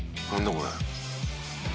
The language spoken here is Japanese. これ」